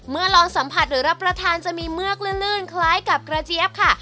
ลองสัมผัสหรือรับประทานจะมีเือกลื่นคล้ายกับกระเจี๊ยบค่ะ